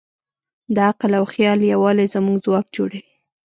د عقل او خیال یووالی زموږ ځواک جوړوي.